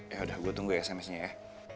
ya udah gue tunggu ya smsnya ya